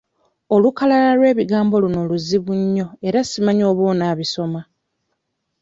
Olukalala lw'ebigambo luno luzibu nnyo era simanyi oba onaabisoma.